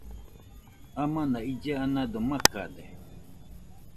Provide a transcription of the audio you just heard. Amana ille anado makade